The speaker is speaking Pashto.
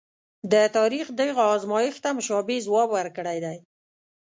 د تاریخ دغه ازمایښت ته مشابه ځواب ورکړی دی.